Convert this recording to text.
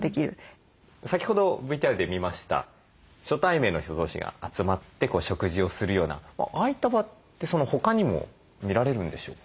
先ほどＶＴＲで見ました初対面の人同士が集まって食事をするようなああいった場ってその他にも見られるんでしょうか？